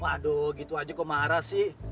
waduh gitu aja kok marah sih